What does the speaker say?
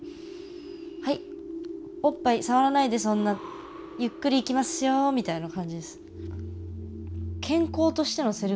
はいおっぱい触らないでそんなゆっくりいきますよみたいな感じです。